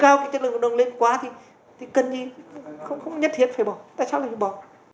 không nhất thiết phải bỏ tại sao lại bỏ